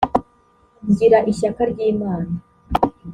ngira ishyaka ry’imana